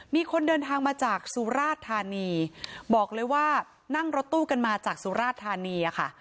มีคนเดินทางมาจากสุราธานีบอกเลยว่านั่งรถตู้กันมาจากสุราธานีค่ะ